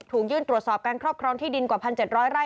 ถูกยื่นตรวจสอบการครอบครองที่ดินกว่า๑๗๐๐ไร่